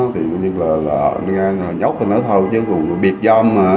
thì tự nhiên là nga nhóc nó thôi chứ không biệt dâm mà